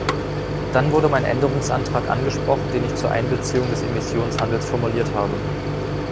Dann wurde mein Änderungsantrag angesprochen, den ich zur Einbeziehung des Emissionshandels formuliert habe.